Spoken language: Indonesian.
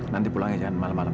nanti pulang aja malam malam